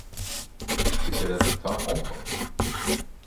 Tycker redaktörn om dem?